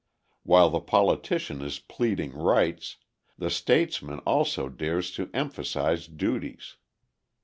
While the politician is pleading rights, the statesman also dares to emphasise duties.